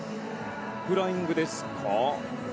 フライングですか？